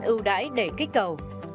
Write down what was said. ưu đãi để kích cầu